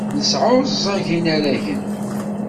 Nesseɛẓeg inaragen.